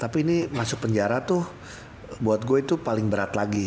tapi ini masuk penjara tuh buat gue itu paling berat lagi